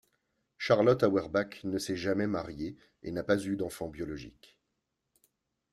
Charlotte Auerbach ne s'est jamais mariée et n'a pas eu d'enfants biologiques.